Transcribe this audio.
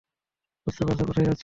বুঝতে পারছ কোথায় যাচ্ছি?